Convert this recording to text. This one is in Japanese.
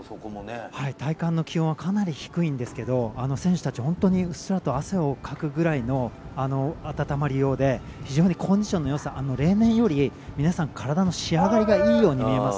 体感の気温はかなり低いんですけど、選手たち本当にうっすら汗をかくぐらいのあたたまりようで非常にコンディションの良さ、例年より皆さん、体の仕上がりがいいように見えます。